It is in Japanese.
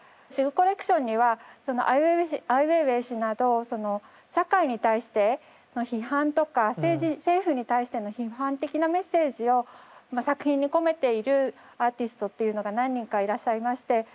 シグコレクションにはそのアイウェイウェイ氏など社会に対しての批判とか政府に対しての批判的なメッセージを作品に込めているアーティストというのが何人かいらっしゃいまして。